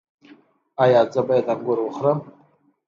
ایا زه باید انګور وخورم؟